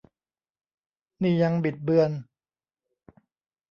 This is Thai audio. นี่ยัง "บิดเบือน"